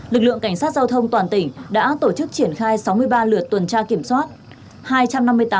lực lượng cảnh sát giao thông toàn tỉnh đã tổ chức triển khai sáu mươi ba lượt tuần tra kiểm soát